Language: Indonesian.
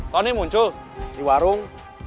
tony muncul di warung